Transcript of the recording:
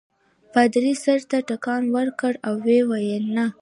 پادري سر ته ټکان ورکړ او ویې ویل نه.